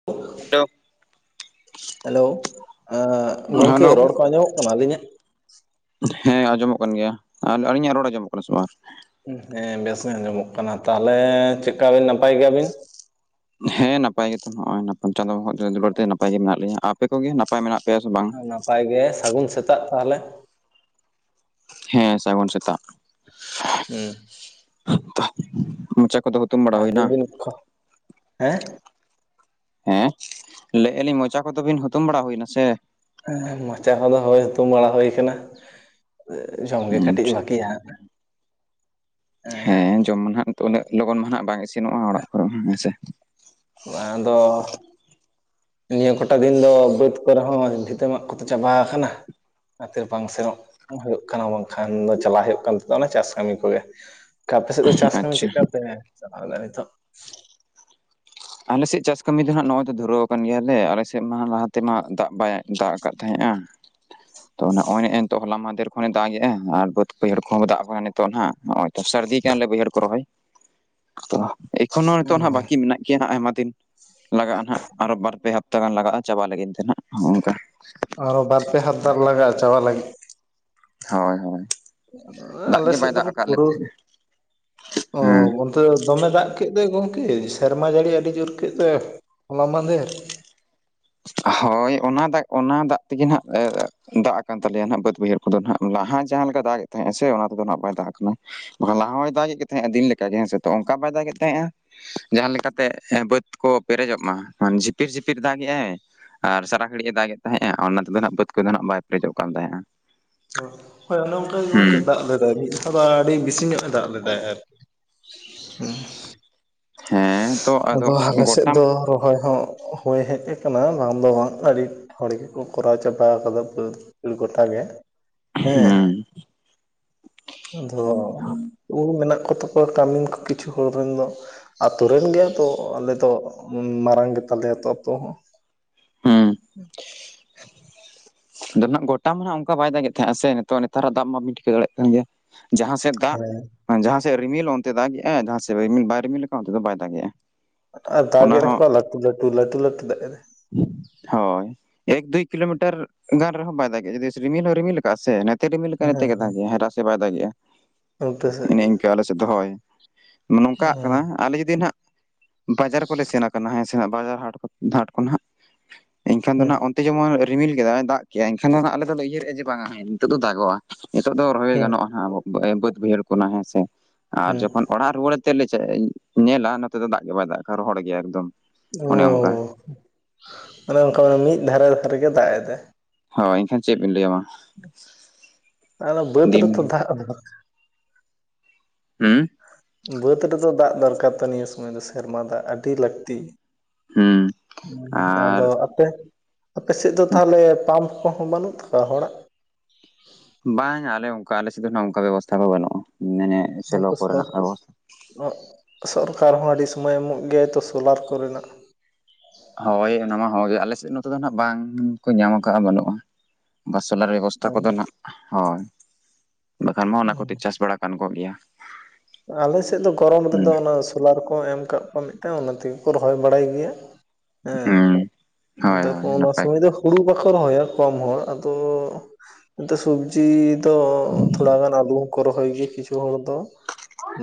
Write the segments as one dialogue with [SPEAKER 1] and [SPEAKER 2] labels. [SPEAKER 1] [unintelligible]
[SPEAKER 2] Hello ᱜᱚᱢᱠᱮ
[SPEAKER 1] hello
[SPEAKER 2] ᱨᱚᱲ ᱠᱚ ᱟᱸᱡᱚᱢᱚᱜ ᱠᱟᱱᱟ ᱟᱹᱞᱤᱧᱟᱜ?
[SPEAKER 1] ᱦᱮᱸ ᱟᱸᱡᱚᱢᱚᱜ ᱠᱟᱱ ᱜᱮᱭᱟ, ᱟᱨ ᱟᱹᱞᱤᱧᱟᱜ ᱨᱚᱲ ᱟᱸᱡᱚᱢᱚᱜ ᱠᱟᱱᱟ ᱥᱮ ᱵᱟᱝ?
[SPEAKER 2] ᱵᱮᱥ ᱧᱚ ᱟᱡᱚᱢᱚᱜ ᱠᱟᱱᱟ ᱛᱟᱞᱮ ᱪᱮᱫᱠᱟ ᱵᱤᱱ ᱱᱟᱯᱟᱭ ᱜᱮᱭᱟ ᱵᱤᱱ?
[SPEAKER 1] ᱦᱮᱸ ᱱᱟᱯᱟᱭ ᱜᱮᱛᱚ ᱱᱚᱜᱼᱚᱭ ᱪᱟᱸᱫᱳᱣᱟᱜ ᱫᱩᱞᱟᱹᱲ ᱛᱮ ᱱᱟᱯᱟᱭ ᱜᱮ ᱢᱮᱱᱟᱜ ᱞᱤᱧᱟᱹ ᱟᱯᱮ ᱠᱚᱜᱮ ᱱᱟᱯᱟᱭ ᱢᱮᱱᱟᱜ ᱯᱮᱭᱟ ᱥᱮ ᱵᱟᱝ?
[SPEAKER 2] ᱱᱟᱯᱟᱭ ᱜᱮ ᱥᱟᱹᱜᱩᱱ ᱥᱮᱛᱟᱜ ᱛᱟᱦᱚᱞᱮ ᱾
[SPEAKER 1] ᱦᱮᱸ ᱥᱟᱹᱜᱩᱱ ᱥᱮᱛᱟᱜ ᱾
[SPEAKER 2] ᱦᱮᱸ ᱾
[SPEAKER 1] [unintelligible]
[SPEAKER 2] [unintelligible]
[SPEAKER 1] ᱦᱮᱸ ᱞᱟᱹᱭᱮᱜᱼᱟ ᱞᱤᱧ ᱢᱚᱪᱟ ᱠᱚᱫᱚ ᱵᱤᱱ ᱦᱩᱛᱩᱢ ᱵᱟᱲᱟ ᱦᱩᱭᱱᱟ ᱥᱮ?
[SPEAKER 2] ᱦᱮᱸ ᱢᱚᱪᱟ ᱠᱚᱫᱚ ᱦᱚᱭ ᱦᱩᱛᱩᱢ ᱵᱟᱲᱟ ᱦᱚᱭ ᱟᱠᱟᱱᱟ ᱾ ᱡᱚᱢᱜᱮ ᱠᱟᱹᱴᱤᱡ
[SPEAKER 1] ᱟᱪᱪᱷᱟ
[SPEAKER 2] ᱵᱟᱹᱠᱤᱭᱟ ᱾
[SPEAKER 1] ᱦᱮᱸ ᱡᱚᱢ ᱢᱟ ᱱᱟᱦᱟᱜ ᱩᱱᱟᱹᱜ ᱞᱚᱜᱚᱱ ᱢᱟ ᱦᱟᱜ ᱵᱟᱝ ᱤᱥᱤᱱᱚᱜᱼᱟ ᱚᱲᱟᱜ ᱠᱚᱨᱮ ᱦᱮᱸ ᱥᱮ ᱾
[SPEAKER 2] ᱟᱫᱚ? ᱱᱤᱭᱟᱹ ᱠᱚᱴᱟ ᱫᱤᱱ ᱫᱚ ᱵᱟᱹᱫᱽ ᱠᱚᱨᱮᱦᱚᱸ ᱵᱷᱤᱛᱟᱹ ᱢᱟᱜ ᱠᱚᱫᱚ ᱪᱟᱵᱟ ᱠᱟᱱᱟ ᱾ ᱚᱱᱟ ᱠᱷᱟᱛᱤᱨ ᱵᱟᱝ ᱥᱮᱱᱚᱜ ᱦᱩᱭᱩᱜ ᱠᱟᱱᱟ ᱵᱟᱝᱠᱷᱟᱱ ᱫᱚ ᱪᱟᱞᱟᱜ ᱦᱩᱭᱩᱜ ᱠᱟᱱ ᱛᱟᱦᱮ ᱚᱱᱟ ᱪᱟᱥ ᱠᱟᱹᱢᱤ ᱠᱚᱜᱮ ᱾ ᱟᱯᱮ ᱥᱮᱫ ᱫᱚ ᱪᱟᱥ ᱠᱟᱹᱢᱤ
[SPEAKER 1] ᱟᱪᱪᱷᱟ
[SPEAKER 2] ᱪᱮᱫ ᱠᱟ ᱯᱮ ᱪᱟᱞᱟᱣ ᱮᱫᱟ ᱱᱤᱛᱚᱜ?
[SPEAKER 1] ᱟᱞᱮᱥᱮᱫ ᱪᱟᱥ ᱠᱟᱹᱢᱤ ᱫᱚ ᱱᱚᱜ-ᱚᱭ ᱛᱚ ᱫᱷᱩᱨᱟᱹᱣ ᱠᱟᱱ ᱜᱮᱭᱟᱞᱮ ᱟᱞᱮ ᱥᱮᱫ ᱢᱟ ᱞᱟᱦᱟᱛᱮᱢᱟ ᱫᱟᱜ ᱵᱟᱭ ᱫᱟᱜ ᱟᱠᱟᱫ ᱛᱟᱸᱦᱮᱫᱼᱟ ᱾ [unintelligible] ᱛᱚ ᱱᱚᱜᱼᱚᱭ ᱮᱱᱛᱚᱜ ᱦᱚᱞᱟ ᱢᱟᱫᱷᱮᱨ ᱠᱷᱚᱱᱮ ᱫᱟᱜ ᱮᱼᱟ ᱟᱨ ᱵᱟᱹᱫᱽ ᱵᱟᱹᱭᱦᱟᱹᱲ ᱠᱷᱚᱱ ᱫᱟᱜ ᱠᱟᱱᱟ ᱱᱤᱛᱚᱜ ᱱᱟᱦᱟᱜ ᱱᱚᱜᱼᱚᱭ ᱾ ᱛᱚ ᱥᱟᱹᱨᱫᱤ ᱠᱟᱱᱟᱞᱮ ᱵᱟᱹᱭᱦᱟᱹᱲ ᱠᱚ ᱦᱚᱸ ᱨᱚᱦᱚᱭ ᱛᱚ ᱮᱠᱷᱚᱱᱚ ᱦᱤᱛᱚᱜ ᱱᱟᱦᱟᱜ ᱵᱟᱠᱤ ᱢᱮᱱᱟᱜ ᱜᱮᱭᱟ ᱟᱭᱢᱟ ᱫᱤᱱ ᱞᱟᱜᱟᱜᱼᱟ ᱱᱟᱦᱟᱜ ᱟᱨᱚ ᱵᱟᱨ ᱯᱮ ᱦᱟᱯ ᱛᱟ ᱜᱟᱱ ᱞᱟᱜᱟᱜᱼᱟ ᱪᱟᱵᱟ ᱞᱟᱹᱜᱤᱫ ᱛᱮ ᱱᱟᱦᱟᱜ ᱦᱚᱸ-ᱚ ᱱᱚᱝᱠᱟ
[SPEAKER 2] ᱟᱨᱚ ᱵᱟᱨ ᱯᱮ ᱦᱟᱯᱛᱟ ᱞᱟᱜᱟᱜᱼᱟ ᱪᱟᱵᱟ ᱞᱟᱹᱜᱤᱫ?
[SPEAKER 1] ᱦᱳᱭ ᱦᱳᱭ᱾
[SPEAKER 2] ᱮᱸ
[SPEAKER 1] ᱫᱟᱜ
[SPEAKER 2] ᱟᱞᱮ
[SPEAKER 1] ᱜᱮ ᱵᱟᱭ
[SPEAKER 2] ᱥᱮᱫ
[SPEAKER 1] ᱫᱟᱜ
[SPEAKER 2] ᱫᱚᱠᱚ
[SPEAKER 1] ᱟᱠᱟᱫ ᱞᱮ
[SPEAKER 2] ᱯᱩᱨᱟᱹᱣ,
[SPEAKER 1] ᱛᱟᱦᱮᱸᱫ
[SPEAKER 2] ᱚ
[SPEAKER 1] ᱦᱮᱸ
[SPEAKER 2] ᱵᱚᱞ ᱛᱮ ᱫᱚᱢᱮ ᱫᱟᱜ ᱠᱮᱫ ᱫᱚᱭ ᱜᱚᱝᱠᱮ ᱥᱮᱨᱢᱟ ᱡᱟᱹᱲᱤ ᱟᱹᱰᱤ ᱡᱳᱨ ᱠᱮᱫ ᱫᱚᱭ ᱦᱚᱞᱟ ᱢᱟᱫᱷᱮᱨ᱾
[SPEAKER 1] ᱦᱳᱭ ᱚᱱᱟ ᱫᱟᱜ ᱚᱱᱟ ᱫᱟᱜ ᱛᱮᱜᱮ ᱱᱟᱦᱟᱜ ᱮ ᱫᱟᱜ ᱟᱠᱟᱱ ᱛᱟᱞᱮᱭᱟ ᱱᱟᱸᱦᱟᱜ ᱵᱟᱹᱫᱽ ᱵᱟᱹᱭᱦᱟᱹᱲ ᱠᱚᱫᱚ ᱱᱟᱦᱟᱜ ᱞᱟᱦᱟ ᱡᱟᱸᱦᱟ ᱞᱮᱠᱟ ᱫᱟᱜ ᱮᱫ ᱛᱟᱸᱦᱮᱡ ᱟᱭ ᱥᱮ ᱚᱱᱟ ᱠᱚᱫᱚ ᱱᱟᱦᱟᱜ ᱵᱟᱭ ᱫᱟᱜ ᱟᱠᱟᱱᱟ᱾ ᱟᱱᱟ ᱞᱟᱦᱟ ᱦᱚᱸᱭ ᱫᱟᱜ ᱮᱫ ᱛᱟᱦᱮᱸᱜ-ᱟ ᱫᱤᱱ ᱞᱮᱠᱟ ᱜᱮ ᱦᱮᱸ ᱥᱮ ᱛᱚ ᱚᱱᱠᱟ ᱵᱟᱭ ᱫᱟᱜᱮᱫ ᱛᱟᱦᱮᱸᱜ-ᱟ᱾ ᱡᱟᱦᱟᱸ ᱞᱮᱠᱟ ᱛᱮ ᱮ ᱵᱟᱹᱫᱽ ᱠᱚ ᱯᱮᱨᱮᱡᱚᱜ ᱢᱟ ᱡᱷᱤᱯᱤᱨ ᱡᱷᱤᱯᱤᱨ ᱫᱟᱜᱮ-ᱟᱭ ᱟᱨ ᱥᱟᱨᱟ ᱜᱷᱟᱹᱲᱤᱡ ᱮ ᱫᱟᱜ ᱮᱫ ᱛᱟᱦᱮᱸᱜ-ᱟ ᱚᱱᱟ ᱛᱮᱫᱚ ᱱᱟᱦᱟᱸᱜ ᱵᱟᱹᱫᱽ ᱠᱚᱫᱚ ᱱᱟᱦᱟᱜ ᱵᱟᱭ ᱯᱮᱨᱮᱡᱚᱜ ᱠᱟᱱ ᱛᱟᱦᱮᱸᱜ-ᱟ᱾
[SPEAKER 2] ᱦᱳᱭ, ᱦᱳᱭ ᱚᱱᱮ ᱚᱱᱠᱟ ᱜᱮ ᱜᱚᱝᱠᱮ ᱫᱟᱜ ᱞᱮᱫᱟᱭ ᱢᱤᱫ ᱫᱷᱟᱣ ᱫᱚ ᱟᱹᱰᱤ ᱵᱤᱥᱤ ᱧᱚᱜ-ᱮ ᱫᱟᱜ ᱞᱮᱫᱟᱭ ᱟᱹᱨᱠᱤ᱾
[SPEAKER 1] ᱦᱮᱸ᱾ ᱛᱚ
[SPEAKER 2] ᱟᱫᱚ ᱟᱞᱮ ᱥᱮᱫ
[SPEAKER 1] ᱜᱚᱴᱟᱢ
[SPEAKER 2] ᱫᱚ ᱨᱚᱦᱚᱭ ᱦᱚᱸ ᱦᱳᱭ ᱦᱮᱡ ᱟᱠᱟᱱᱟ ᱵᱟᱝ ᱫᱚ ᱵᱟᱝ ᱟᱹᱰᱤ ᱦᱚᱲ ᱜᱮᱠᱚ ᱠᱚᱨᱟᱣ ᱪᱟᱵᱟ ᱟᱠᱟᱫᱟ ᱵᱟᱹᱫᱽ [unintelligible] ᱜᱚᱴᱟ ᱜᱮ᱾
[SPEAKER 1] ᱦᱮᱸ᱾
[SPEAKER 2] ᱟᱫᱷᱚ ᱳᱭ ᱢᱮᱱᱟᱜ ᱠᱚᱛᱟ ᱠᱚᱣᱟ ᱠᱟᱹᱢᱤᱱ ᱠᱚ ᱠᱤᱪᱷᱩ ᱦᱚᱲ ᱨᱮᱱ ᱫᱚ᱾ ᱟᱛᱳ ᱨᱮᱱ ᱜᱮ ᱛᱚ ᱟᱞᱮ ᱫᱚ, ᱢᱟᱨᱟᱝ ᱜᱮ ᱛᱟᱞᱮᱭᱟ ᱛᱚ ᱟᱛᱳ ᱦᱚᱸ᱾
[SPEAKER 1] ᱦᱩᱸ᱾ ᱟᱫᱚ ᱱᱟᱦᱟᱸᱜ ᱜᱚᱴᱟ ᱢᱟ ᱦᱟᱸᱜ ᱚᱱᱠᱟ ᱵᱟᱭ ᱫᱟᱜᱮᱫ ᱛᱟᱦᱮᱸᱜ-ᱟ ᱥᱮ ᱱᱤᱛᱚᱜ ᱱᱮᱛᱟᱨᱟᱜ ᱫᱟᱜ ᱢᱟᱵᱤᱱ ᱴᱷᱤᱠᱟᱹ ᱫᱟᱲᱮᱭᱟᱜ ᱠᱟᱱ ᱜᱮᱭᱟ ᱡᱟᱦᱟᱸ ᱥᱮᱫ ᱫᱟᱜ
[SPEAKER 2] ᱦᱮᱸ᱾
[SPEAKER 1] ᱡᱟᱦᱟᱸ ᱥᱮᱫ ᱨᱤᱢᱤᱞ ᱚᱱᱛᱮ ᱫᱟᱜᱮᱜ-ᱟᱭ, ᱡᱟᱦᱟᱸ ᱥᱮᱫ ᱨᱤᱢᱤᱞ ᱵᱟᱭ ᱨᱤᱢᱤᱞ ᱠᱟ-ᱟ ᱚᱱᱛᱮ ᱫᱚ ᱵᱟᱭ ᱫᱟᱜᱮ-ᱟ᱾
[SPEAKER 2] ᱟᱨ ᱫᱟᱜ-ᱮ [unintelligible] ᱞᱟᱹᱴᱩ ᱞᱟᱹᱴᱩ ᱞᱟᱹᱴᱩ ᱞᱟᱹᱴᱩ ᱫᱟᱜ ᱮᱫᱟ᱾
[SPEAKER 1] ᱦᱳᱭ ᱮᱠ ᱫᱩᱭ ᱠᱤᱞᱳᱢᱤᱴᱟᱨ ᱜᱟᱱ ᱨᱮᱦᱚᱸ ᱵᱟᱭ ᱫᱟᱜᱮ-ᱟ ᱡᱩᱫᱤ ᱨᱤᱢᱤᱞ ᱦᱚᱸᱭ ᱨᱤᱢᱤᱞ ᱠᱟᱜ-ᱟ ᱥᱮ ᱱᱮ ᱛᱮ ᱨᱤᱢᱤᱞ ᱠᱟᱜ-ᱟᱭ
[SPEAKER 2] ᱦᱮᱸ
[SPEAKER 1] ᱱᱚᱛᱮ ᱜᱮ
[SPEAKER 2] ᱦᱮᱸ
[SPEAKER 1] ᱫᱟᱜᱮᱜ-ᱟᱭ ᱦᱮᱨᱟᱥᱮ ᱵᱟᱭ ᱫᱟᱜᱮᱜ-ᱟ᱾
[SPEAKER 2] ᱩᱞᱴᱟᱹ ᱥᱮᱫ᱾
[SPEAKER 1] ᱟᱞᱮ ᱥᱮᱫ ᱫᱚ ᱦᱳᱭ, ᱱᱚᱝᱠᱟᱜ
[SPEAKER 2] ᱦᱮᱸ
[SPEAKER 1] ᱠᱟᱱᱟ ᱟᱞᱮ ᱡᱩᱫᱤ ᱱᱟᱦᱟᱸᱜ ᱵᱟᱡᱟᱨ ᱠᱚᱞᱮ ᱥᱮᱱ ᱟᱠᱟᱱᱟᱸ ᱦᱮ ᱥᱮᱱᱟᱜ ᱵᱟᱡᱟᱨ ᱦᱟᱴ ᱠᱚ ᱫᱷᱟᱴ ᱠᱚ ᱱᱟᱦᱟᱸᱜ ᱤᱧ ᱠᱷᱟᱱ ᱫᱚ
[SPEAKER 2] ᱦᱩᱸ
[SPEAKER 1] ᱱᱟᱦᱟᱸᱜ ᱚᱱ ᱛᱮ ᱡᱮᱢᱚᱱ ᱨᱤᱢᱤᱞ ᱠᱮᱫᱟᱭ ᱫᱟᱜ ᱠᱮᱜ-ᱟᱭ ᱮᱱᱠᱷᱟᱱ ᱫᱚ ᱦᱟᱸᱜ ᱟᱞᱮ ᱫᱚᱞᱮ ᱩᱭᱦᱟᱹᱨᱮᱫ-ᱟ ᱡᱮ ᱵᱟᱝᱟ ᱦᱮ ᱱᱤᱛᱜ ᱫᱚ ᱫᱟᱜᱚᱜ-ᱟ᱾ ᱱᱤᱛᱚᱜ ᱫᱚ ᱨᱚᱦᱚᱭᱮ
[SPEAKER 2] ᱦᱩᱸ
[SPEAKER 1] ᱜᱟᱱᱚᱜ-ᱟ ᱦᱟᱸᱜ ᱟᱵᱚ ᱵᱚᱹᱫᱽ ᱵᱟᱹᱭᱦᱟᱹᱲ ᱠᱚ ᱱᱟᱜ ᱦᱮᱸ ᱥᱮ ᱟᱨ
[SPEAKER 2] ᱦᱩᱸ
[SPEAKER 1] ᱡᱚᱠᱷᱚᱱ ᱚᱲᱟᱜ ᱨᱩᱣᱟᱹᱲᱟᱹ ᱛᱮᱫ ᱞᱮ ᱪᱮᱫ ᱧᱮᱞᱟ ᱱᱚᱛᱮ ᱫᱚ ᱫᱟᱜ ᱜᱮ ᱵᱟᱭ ᱫᱟᱜ ᱠᱟᱜ-ᱟ ᱨᱚᱦᱚᱲ ᱜᱮᱭᱟ ᱮᱠᱫᱚᱢ᱾
[SPEAKER 2] ᱚ,
[SPEAKER 1] ᱚᱱᱮ ᱚᱱᱠᱟ
[SPEAKER 2] ᱚᱱᱮ ᱚᱱᱠᱟ ᱢᱤᱫ ᱫᱷᱟᱨᱮᱛ ᱨᱮ ᱜᱮ ᱫᱟᱜ ᱮᱫᱟᱭ᱾
[SPEAKER 1] ᱦᱳᱭ ᱮᱱᱠᱷᱟᱱ ᱪᱮᱫ ᱵᱤᱱ ᱞᱟᱹᱭᱟ ᱢᱟ᱾
[SPEAKER 2] [unintelligible] ᱵᱟᱹᱫᱽ
[SPEAKER 1] ᱫᱤᱱ
[SPEAKER 2] ᱨᱮᱛᱚ ᱫᱟᱜ ᱫᱚ᱾
[SPEAKER 1] ᱦᱩᱸ?
[SPEAKER 2] ᱵᱟᱹᱫᱽ ᱨᱮᱫᱚ ᱫᱟᱜ ᱫᱚᱨᱠᱟᱨ ᱛᱚ ᱱᱤᱭᱟᱹ ᱥᱚᱢᱚᱭ ᱫᱚ ᱥᱮᱨᱢᱟ ᱫᱟᱜ ᱟᱹᱰᱤ ᱞᱟᱹᱠᱛᱤ᱾
[SPEAKER 1] ᱦᱩᱸ ᱟᱨ
[SPEAKER 2] ᱟᱫᱚ ᱟᱯᱮ? ᱟᱯᱮ ᱥᱮᱫ ᱫᱚ ᱛᱟᱦᱚᱸᱞᱮ ᱯᱟᱢᱯ ᱠᱚᱦᱚᱸ ᱵᱟᱹᱱᱩᱜ ᱛᱟᱠᱚᱣᱟ ᱦᱚᱲᱟᱜ?
[SPEAKER 1] ᱵᱟᱝᱟ ᱟᱞᱮ ᱚᱱᱠᱟ ᱟᱞᱮ ᱥᱮᱫ ᱚᱱᱠᱟ ᱵᱮᱵᱚᱥᱛᱷᱟ ᱫᱚ ᱵᱟᱱᱩᱜ-ᱟ ᱢᱟᱱᱮ ᱥᱮᱞᱚ ᱠᱚᱨᱮᱱᱟᱜ ᱵᱮᱵᱚᱥᱛᱷᱟ
[SPEAKER 2] [unintelligible] ᱚ ᱥᱚᱨᱠᱟᱨ ᱦᱚᱸ ᱟᱹᱰᱤ ᱥᱚᱢᱚᱭ ᱮᱢᱚᱜ ᱜᱮᱭᱟᱭ ᱛᱚ ᱥᱳᱞᱟᱨ ᱠᱚᱨᱮᱱᱟᱜ᱾
[SPEAKER 1] ᱦᱳᱭ ᱚᱱᱟᱢᱟ ᱦᱚᱸ ᱜᱮ ᱟᱞᱮ ᱥᱮᱫ ᱱᱚᱛᱮ ᱫᱚ ᱱᱟᱦᱟᱸᱜ ᱵᱟᱝ ᱠᱚ ᱧᱟᱢ ᱠᱟᱜ-ᱟ ᱵᱟᱹᱱᱩᱜ-ᱟ᱾ ᱵᱟ ᱥᱚᱞᱟᱨ ᱵᱮᱵᱚᱥᱛᱷᱟ
[SPEAKER 2] ᱦᱩᱸ
[SPEAKER 1] ᱠᱚᱫᱚ ᱱᱟᱜ ᱦᱳᱭ ᱵᱟᱠᱷᱟᱱ ᱢᱟ ᱚᱱᱟ ᱠᱚᱛᱮ
[SPEAKER 2] ᱦᱩᱸ
[SPEAKER 1] ᱪᱟᱥ ᱵᱟᱲᱟ ᱜᱟᱱ ᱠᱚᱜ ᱜᱮᱭᱟ᱾
[SPEAKER 2] ᱟᱞᱮ ᱥᱮᱫ ᱫᱚ ᱜᱚᱨᱚᱢ ᱨᱮᱫᱚ
[SPEAKER 1] ᱦᱩᱸ
[SPEAKER 2] ᱚᱱᱟ ᱥᱳᱞᱟᱨ ᱠᱚ ᱮᱢ ᱠᱟᱜ ᱠᱚᱣᱟ ᱢᱤᱫᱴᱟᱝ ᱚᱱᱟ ᱛᱮᱜᱮ ᱠᱚ ᱨᱚᱦᱚᱭ ᱵᱟᱲᱟᱭ ᱜᱮᱭᱟ᱾
[SPEAKER 1] ᱦᱩᱸ
[SPEAKER 2] ᱦᱮᱸ
[SPEAKER 1] ᱦᱳᱭ ᱦᱳᱭ
[SPEAKER 2] ᱛᱟᱯᱚᱨ ᱚᱱᱟ
[SPEAKER 1] ᱱᱟᱯᱟᱭ
[SPEAKER 2] ᱥᱚᱢᱚᱭ ᱫᱚ ᱦᱩᱲᱩ ᱵᱟᱠᱚ ᱨᱚᱦᱚᱭᱟ ᱠᱚᱢ ᱦᱚᱲ ᱟᱫᱚ ᱟᱫᱚ ᱥᱚᱵᱽᱡᱤ ᱛᱚ ᱛᱷᱚᱲᱟ ᱜᱟᱱ ᱟᱞᱩ ᱦᱚᱸᱠᱚ ᱨᱚᱦᱚᱭ ᱜᱮᱭᱟ ᱠᱤᱪᱷᱩ ᱦᱚᱲ ᱫᱚ᱾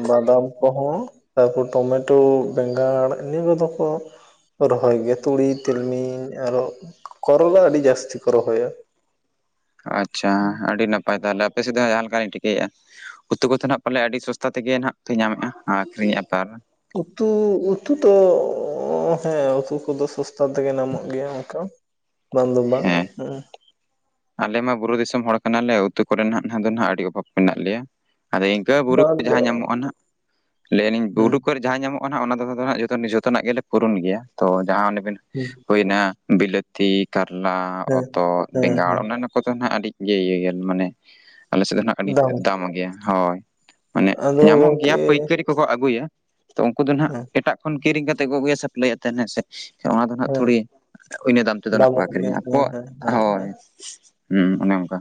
[SPEAKER 2] ᱵᱟᱫᱟᱢ ᱠᱚᱦᱚᱸ ᱛᱟᱨᱯᱚᱨ ᱴᱚᱢᱮᱴᱳ ᱵᱮᱸᱜᱟᱲ ᱤᱱᱟᱹ ᱠᱚᱫᱚ ᱠᱚ᱾ ᱨᱚᱦᱚᱭ ᱜᱮᱭᱟ ᱛᱩᱲᱤ ᱛᱤᱞᱢᱤᱧ ᱟᱨᱦᱚᱸ ᱠᱚᱨᱚᱞᱟ ᱟᱹᱰᱤ ᱡᱟᱹᱥᱛᱤ ᱠᱚ ᱨᱚᱦᱚᱭᱟ᱾
[SPEAKER 1] ᱟᱪᱪᱷᱟ ᱟᱹᱰᱤ ᱱᱟᱯᱟᱭ ᱛᱟᱦᱚᱸᱞᱮ ᱟᱯᱮ ᱥᱮᱫ ᱦᱚᱸ ᱡᱟᱦᱟᱸ ᱞᱮᱠᱟ ᱞᱤᱧ ᱴᱷᱤᱠᱟᱹᱭᱮᱫ-ᱟ᱾ ᱩᱛᱩ ᱠᱚᱫᱚ ᱱᱟᱦᱟᱸᱜ ᱯᱟᱞᱮ ᱟᱹᱰᱤ ᱥᱚᱥᱛᱟ ᱛᱮᱜᱮ ᱱᱟᱦᱟᱸᱜ ᱯᱮ ᱧᱟᱢᱮᱫ-ᱟ ᱟᱹᱠᱷᱨᱤᱧᱮᱫ-ᱟ ᱯᱮ ᱟᱨ
[SPEAKER 2] ᱩᱛᱩ ᱩᱛᱩ ᱛᱚ ᱦᱮᱸ ᱩᱛᱩ ᱠᱚ ᱫᱚ ᱥᱚᱥᱛᱟ ᱛᱮ ᱜᱮ ᱧᱟᱢᱚᱜ ᱜᱮᱭᱟ, ᱚᱝᱠᱟ ᱵᱟᱝ ᱫᱚ ᱵᱟᱝ,
[SPEAKER 1] ᱟᱞᱮᱢᱟ ᱵᱩᱨᱩ ᱫᱤᱥᱚᱢ ᱦᱚᱲ ᱠᱟᱱᱟ ᱞᱮ ᱩᱛᱩ ᱠᱚᱨᱮ ᱫᱚ ᱱᱟᱜ ᱫᱚ ᱱᱟᱜ ᱟᱹᱰᱤ ᱚᱵᱷᱟᱵᱽ ᱢᱮᱱᱟᱜ ᱞᱮᱭᱟ, ᱟᱫᱚ ᱟᱹ ᱵᱩᱨᱩ
[SPEAKER 2] ᱵᱟᱫ
[SPEAKER 1] ᱡᱟᱦᱟᱸ ᱧᱟᱢᱚᱜᱼᱟ ᱱᱟᱜ, ᱞᱟᱹᱭ ᱟᱹᱞᱤᱧ
[SPEAKER 2] ᱦᱮᱸ
[SPEAKER 1] ᱵᱩᱨᱩ ᱠᱚᱨᱮ ᱡᱟᱦᱟᱸ ᱧᱟᱢᱚᱜ ᱠᱟᱱᱟ ᱦᱟᱜ ᱚᱱᱟ ᱫᱚ ᱡᱷᱚᱛᱚ ᱱᱟᱜ ᱜᱮ ᱞᱮ ᱯᱩᱨᱩᱱ ᱜᱮᱭᱟ ᱛᱚ ᱡᱟᱦᱟᱸ ᱚᱱᱮ ᱵᱤᱱ ᱦᱩᱭᱱᱟ ᱵᱤᱞᱟᱹᱛᱤ, ᱠᱟᱨᱞᱟ,
[SPEAKER 2] ᱦᱮᱸ
[SPEAKER 1] ᱦᱚᱛᱚᱫ,
[SPEAKER 2] ᱦᱮᱸ
[SPEAKER 1] ᱵᱮᱸᱜᱟᱲ
[SPEAKER 2] ᱦᱮᱸ
[SPEAKER 1] ᱚᱱᱟ ᱠᱚ ᱫᱚ ᱱᱟᱜ ᱟᱹᱰᱤᱜᱮ ᱤᱭᱟᱹ ᱢᱟᱱᱮ ᱟᱞᱮ ᱥᱮᱫ ᱫᱚ ᱱᱟᱜ ᱢᱤᱫ ᱫᱟᱢ ᱜᱮᱭᱟ ᱦᱳᱭ ᱢᱟᱱᱮ
[SPEAKER 2] ᱟᱫᱚ
[SPEAKER 1] ᱧᱟᱢᱚᱜ ᱜᱮᱭᱟ
[SPEAKER 2] ᱜᱚᱝᱠᱮ
[SPEAKER 1] ᱯᱟᱹᱭᱠᱟᱹᱨᱤ, ᱟᱹᱜᱩᱭᱟ ᱛᱚ ᱩᱱᱠᱩ ᱫᱚ ᱱᱟᱜ
[SPEAKER 2] ᱦᱮᱸ
[SPEAKER 1] ᱮᱴᱟᱜ ᱠᱷᱚᱱ ᱠᱤᱨᱤᱧ ᱠᱟᱛᱮ ᱠᱚ ᱟᱹᱜᱩᱭᱟ ᱥᱟᱯᱞᱟᱭ ᱟᱛᱮ ᱦᱮᱸ ᱥᱮ? ᱚᱱᱟ ᱫᱚ ᱱᱟᱜ
[SPEAKER 2] ᱦᱮᱸ
[SPEAKER 1] ᱛᱷᱚᱲᱤ ᱤᱱᱟᱹ ᱫᱟᱢ ᱛᱮ ᱫᱚ ᱱᱟᱜ ᱠᱚ
[SPEAKER 2] ᱫᱟᱢᱚᱜ
[SPEAKER 1] ᱟᱠᱷᱨᱤᱧᱟ,
[SPEAKER 2] ᱜᱮᱭᱟ
[SPEAKER 1] ᱟᱠᱚ
[SPEAKER 2] ᱦᱮᱸ ᱦᱮᱸ ᱦᱮᱸ
[SPEAKER 1] ᱦᱳᱭ
[SPEAKER 2] ᱦᱮᱸ
[SPEAKER 1] ᱦᱩᱸ, ᱚᱱᱮ ᱚᱝᱠᱟ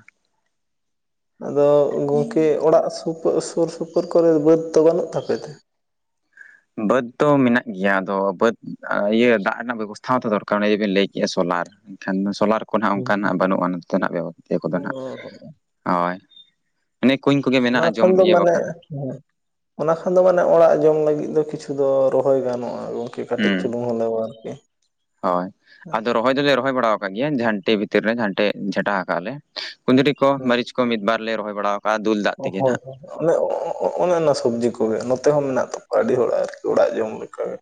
[SPEAKER 2] ᱟᱫᱚ ᱜᱚᱢᱠᱮ ᱚᱲᱟᱜ ᱥᱩᱯᱩᱨ ᱥᱩᱨ ᱥᱩᱯᱩᱨ ᱠᱚᱨᱮ ᱵᱟᱹᱫᱽ ᱫᱚ ᱵᱟᱹᱱᱩᱜ ᱛᱟᱯᱮ ᱛᱮ
[SPEAKER 1] ᱵᱟᱹᱫᱽ ᱫᱚ ᱢᱮᱱᱟᱜ ᱜᱮᱭᱟ ᱟᱫᱚ ᱵᱟᱹᱫᱽ ᱤᱭᱟᱹ ᱫᱟᱜ ᱨᱮᱱᱟᱜ ᱵᱮᱵᱚᱥᱛᱷᱟ ᱦᱚᱸᱛᱚ ᱫᱚᱨᱠᱟᱨ ᱚᱱᱮ ᱡᱮᱵᱤᱱ ᱞᱟᱹᱭ ᱠᱮᱜᱼᱟ ᱥᱳᱞᱟᱨ ᱾ ᱮᱱᱠᱷᱟᱱ ᱫᱚ ᱥᱚᱞᱟᱨ, ᱠᱚᱱᱟᱜ ᱚᱝᱠᱟ ᱱᱟᱜ ᱵᱟᱹᱱᱩᱜᱼᱟ ᱱᱚᱛᱮ ᱱᱟᱜ ᱵᱮᱵᱚᱥᱛᱷᱟ ᱠᱚ ᱫᱚ
[SPEAKER 2] ᱚ
[SPEAKER 1] ᱱᱟᱜ, ᱦᱳᱭ ᱚᱱᱮ ᱠᱩᱧ ᱠᱚᱜᱮ
[SPEAKER 2] ᱚᱱᱟ
[SPEAKER 1] ᱢᱮᱱᱟᱜᱼᱟ ᱡᱚᱢ
[SPEAKER 2] ᱠᱷᱟᱱ ᱫᱚ
[SPEAKER 1] ᱤᱭᱟᱹ
[SPEAKER 2] ᱢᱟᱱᱮ,
[SPEAKER 1] ᱵᱟᱠᱷᱨᱟ
[SPEAKER 2] ᱚᱱᱟ ᱠᱷᱟᱱ ᱫᱚ ᱢᱟᱱᱮ ᱚᱲᱟᱜ ᱡᱚᱢ ᱞᱟᱜᱤᱫ ᱫᱚ ᱠᱤᱪᱷᱩ ᱫᱚ ᱨᱚᱦᱚᱭ ᱜᱟᱱᱚᱜᱼᱟ ᱜᱚᱢᱠᱮ ᱠᱟᱹᱴᱤᱡ
[SPEAKER 1] ᱦᱩᱸ
[SPEAKER 2] ᱪᱩᱞᱩᱝ ᱦᱳᱞᱳ ᱟᱨᱠᱤ,
[SPEAKER 1] ᱦᱳᱭ ᱟᱫᱚ ᱨᱚᱦᱚᱭ ᱫᱚ ᱞᱮ ᱨᱚᱦᱚᱭ ᱵᱟᱲᱟ ᱟᱠᱟᱫ ᱜᱮᱭᱟ ᱡᱷᱟᱱᱴᱤ ᱵᱷᱤᱛᱤᱨ ᱨᱮ ᱡᱷᱟᱱᱴᱮᱤ ᱡᱷᱟᱴᱟ ᱟᱠᱟᱟᱜᱼᱟ ᱞᱮ ᱠᱩᱫᱽᱨᱤ ᱠᱚ ᱢᱤᱪ ᱠᱚ ᱢᱤᱫ ᱵᱟᱨ ᱞᱮ ᱨᱚᱦᱚᱭ ᱵᱟᱲᱟ ᱟᱠᱟᱜᱼᱟ ᱫᱩᱞ ᱫᱟᱜ ᱛᱮᱜᱮ ᱱᱟᱦᱟᱜ
[SPEAKER 2] [unintelligible] ᱟᱞᱮ ᱚᱱᱮ ᱚᱱᱟ ᱥᱚᱵᱽᱡᱤ ᱠᱚ ᱜᱮ ᱱᱚᱛᱮ ᱦᱚᱸ ᱢᱮᱱᱟᱜ ᱛᱟᱠᱚᱣᱟ ᱟᱹᱰᱤ ᱦᱚᱲᱟᱜ‌ ᱟᱨᱠᱤ ᱚᱲᱟᱜ ᱡᱚᱢ ᱞᱮᱠᱟᱜᱮ,